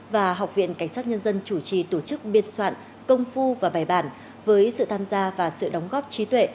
và học viện cảnh sát nhân dân chủ trì tổ chức biên soạn công phu và bài bản với sự tham gia và sự đóng góp trí tuệ